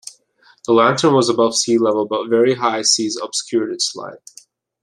The lantern was above sea level but very high seas obscured its light.